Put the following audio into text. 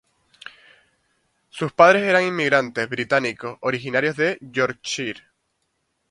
Sus padres eran inmigrantes británicos originarios de Yorkshire.